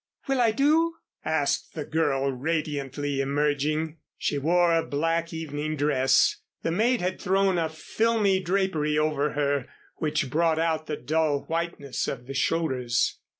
"Will I do?" asked the girl, radiantly emerging. She wore a black evening dress. The maid had thrown a filmy drapery over her which brought out the dull whiteness of the shoulders.